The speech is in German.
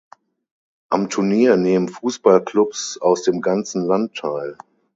Am Turnier nehmen Fußballclubs aus dem ganzen Land teil.